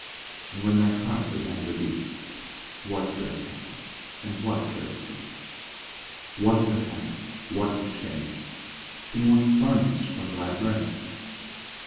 And when thy heart began to beat, What dread hand? & what dread feet? What the hammer? what the chain? In what furnace was thy brain?